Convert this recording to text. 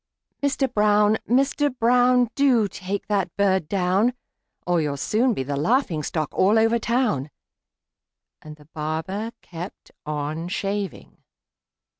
Mister Brown! Mister Brown! Do take that bird down, Or you'll soon be the laughing stock all over town!" And the barber kept on shaving.